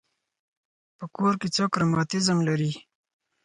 په کور کې څوک رماتیزم لري.